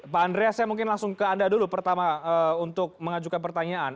pak andreas saya mungkin langsung ke anda dulu pertama untuk mengajukan pertanyaan